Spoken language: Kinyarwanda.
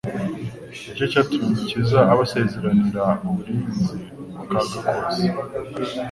Ni cyo cyatumye Umukiza abasezeranira uburinzi ku kaga kose.